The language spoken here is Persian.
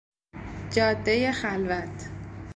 جادهی خلوت